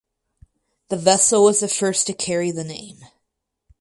The vessel was the first to carry the name.